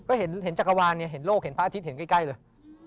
ก็เห็นจักรวาลเนี่ยเห็นโลกเห็นพระอาทิตย์เห็นใกล้เลย